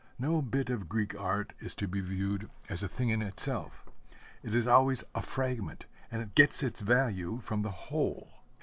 No bit of Greek art is to be viewed as a thing in itself. It is always a fragment, and gets its value from the whole.